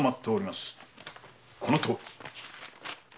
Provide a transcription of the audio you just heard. このとおり。